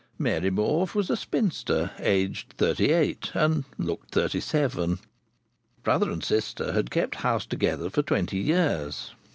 Mary Morfe was a spinster aged thirty eight, and looked thirty seven. Brother and sister had kept house together for twenty years.